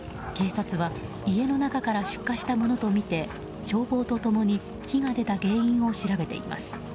警察は家の中から出火したものとみて消防と共に火が出た原因を調べています。